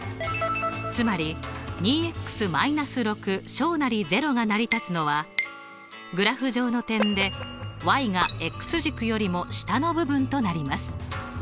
つまり２−６０が成り立つのはグラフ上の点でが軸よりも下の部分となります。